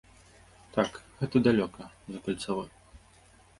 Так, гэта далёка, за кальцавой.